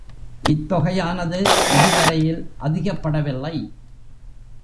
இத்தொகையானது இதுவரையில் அதிகப்படவில்லை.